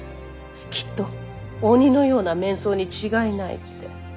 きっと鬼のような面相に違いないって。